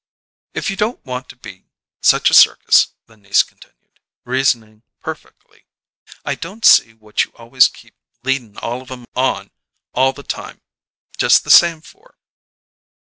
"If you don't want to be such a circus," the niece continued, reasoning perfectly, "I don't see what you always keep leadin' all of 'em on all the time just the same for."